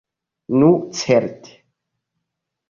Nu certe!